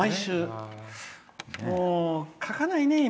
もう書かないね、今。